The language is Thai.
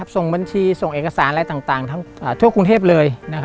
ส่งบัญชีส่งเอกสารอะไรต่างทั่วกรุงเทพเลย